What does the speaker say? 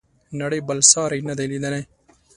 نړۍ بل ساری نه دی لیدلی.